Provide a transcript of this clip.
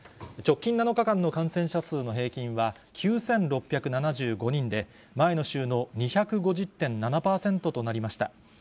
直近７日間の感染者数の平均は９６７５人で、前の週の２５０．７％となりました。